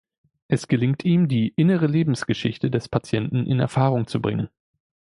Es gelingt ihm, die „innere Lebensgeschichte“ des Patienten in Erfahrung zu bringen.